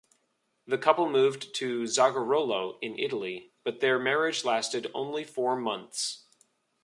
The couple moved to Zagarolo in Italy but their marriage lasted only four months.